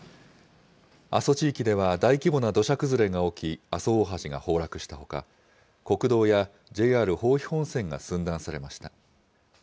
阿蘇地域では大規模な土砂崩れが起き、阿蘇大橋が崩落したほか、国道やＪＲ豊肥本線が寸断されました。